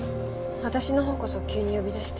私のほうこそ急に呼び出して。